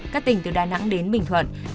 các tỉnh từ đà nẵng đến bình thuận